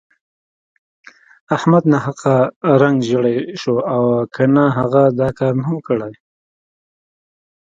احمد ناحقه رنګ ژړی شو که نه هغه دا کار نه وو کړی.